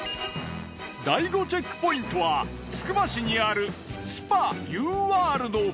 第５チェックポイントはつくば市にあるスパ湯ワールド。